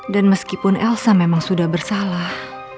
dan meskipun elsa memang sudah bersalah